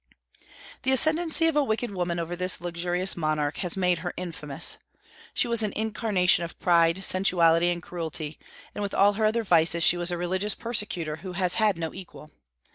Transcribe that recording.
The ascendency of a wicked woman over this luxurious monarch has made her infamous. She was an incarnation of pride, sensuality, and cruelty; and with all her other vices she was a religious persecutor who has had no equal.